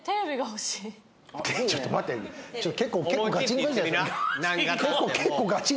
ちょっと待って結構がちんこ